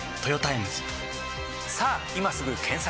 さぁ今すぐ検索！